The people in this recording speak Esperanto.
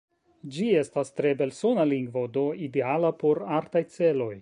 Ĝi estas tre belsona lingvo, do ideala por artaj celoj.